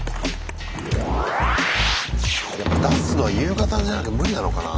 出すのは夕方じゃないと無理なのかな？